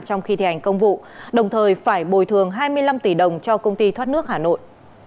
trong khi thi hành công vụ đồng thời phải bồi thường hai mươi năm tỷ đồng cho công ty thoát nước hà nội